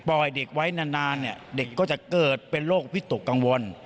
ปล่อยนานเด็กเนี่ยก็จะเกิดเป็นโรคพิตุกังวล